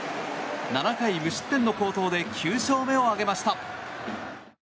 ７回無失点の好投で９勝目を挙げました。